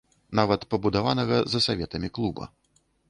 Нават пабудаванага за саветамі клуба.